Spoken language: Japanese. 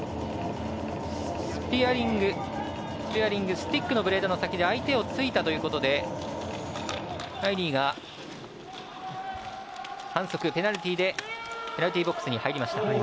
スピアリングスティックのブレードの先で相手をついたということでライリーが反則、ペナルティーでペナルティーボックスに入りました。